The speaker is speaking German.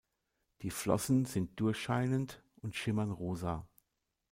Die Flossen sind durchscheinend und schimmern rosa.